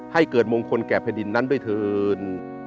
ให้เกิดมงคลแก่แผ่นดินนั้นด้วยเถิน